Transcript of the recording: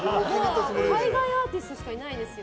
海外アーティストしかいないですよ。